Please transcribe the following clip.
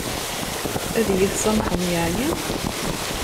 Ad yi-tsamḥeḍ yeɛni?